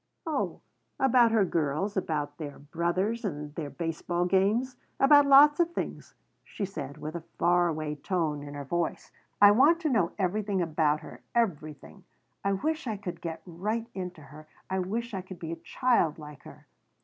"Oh, about her girls, about their brothers and their baseball games, about lots of things," she said, with a far away tone in her voice. "I want to know everything about her. Everything. I wish I could get right into her. I wish I could be a child like her.